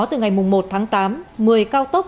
từ ngày một tháng tám một mươi cao tốc